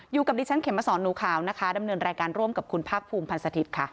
อยู่กับดิฉันเข็มมาสอนหนูขาวนะคะดำเนินรายการร่วมกับคุณภาคภูมิพันธ์สถิตย์ค่ะ